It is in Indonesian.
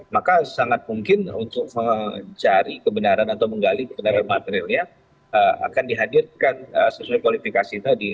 maka sangat mungkin untuk mencari kebenaran atau menggali kebenaran materialnya akan dihadirkan sesuai kualifikasi tadi